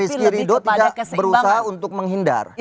rizky ridho tidak berusaha untuk menghindar